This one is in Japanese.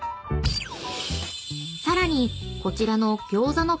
［さらにこちらの］